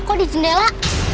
kok ada jendela